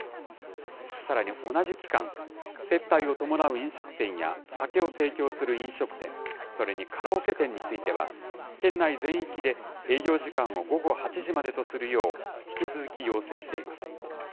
さらに同じ期間、接待を伴う飲食店や酒を提供する飲食店、それにカラオケ店については、県内全域で営業時間を午後８時までとするよう、引き続き要請しています。